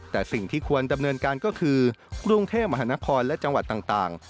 แต่สิ่งที่ควรดำเนินการก็คือกรุงเทพมหานครและจังหวัดต่าง